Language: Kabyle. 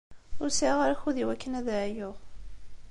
Ur sɛiɣ ara akud i wakken ad ɛyuɣ.